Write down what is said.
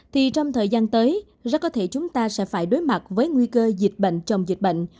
thì trong thời gian tới rất có thể chúng ta sẽ phải đối mặt với nguy cơ dịch bệnh trồng dịch bệnh